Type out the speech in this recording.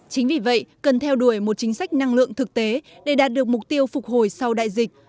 chính vì vậy cần theo đuổi một chính sách năng lượng thực tế để đạt được mục tiêu phục hồi sau đại dịch